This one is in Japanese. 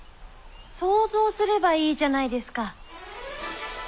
想像すればいいじゃないですか。